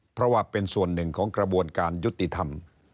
เพราะว่าเป็นส่วนหนึ่งของกระบวนการยุติธรรม